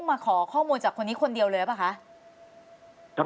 มาขอข้อมูลจากคนนี้คนเดียวเลยหรือเปล่าคะ